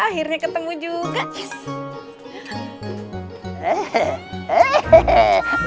akhirnya ketemu juga yes